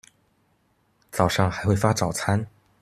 早上還會發早餐